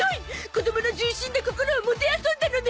子供の純真な心をもてあそんだのね！